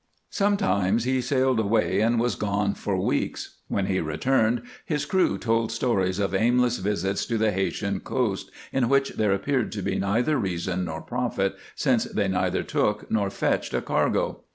Sometimes he sailed away and was gone for weeks. When he returned his crew told stories of aimless visits to the Haytian coast in which there appeared to be neither reason nor profit, since they neither took nor fetched a cargo.